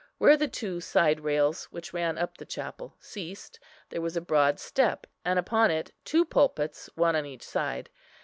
Where the two side rails which ran up the chapel ceased, there was a broad step; and upon it two pulpits, one on each side.